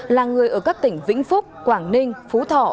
là người ở các tỉnh vĩnh phúc quảng ninh phú thọ